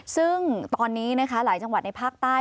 ซึ่งตอนนี้นะคะหลายจังหวัดในภาคใต้